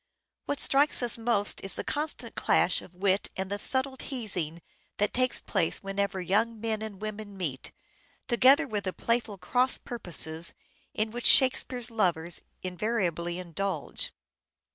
What strikes us most is the constant clash of wit and the subtle teasing that takes place when ever young men and women meet, together with the playful cross purposes in which Shakespeare's lovers invariably indulge.